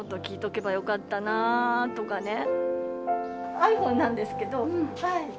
ｉＰｈｏｎｅなんですけどはい。